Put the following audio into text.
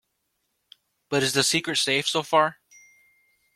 But is the secret safe so far?